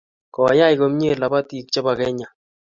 Koyay komie lobotii che bo Kenya.